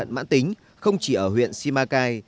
bệnh nhân mạng tính không chỉ ở huyện simacai